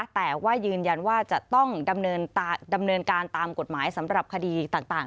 แต่ว่ายืนยันว่าจะต้องดำเนินการตามกฎหมายสำหรับคดีต่าง